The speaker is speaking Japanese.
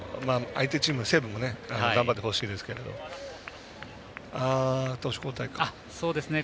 相手チーム、西武にも頑張ってほしいですけどね。